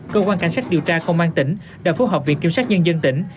cơ quan cảnh sát điều tra công an tỉnh đã phối hợp viện kiểm sát nhân dân tỉnh